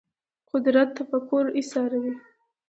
قدرت تفکر ایساروي